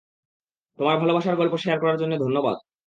তোমার ভালবাসার গল্প শেয়ার করার জন্যে ধন্যবাদ।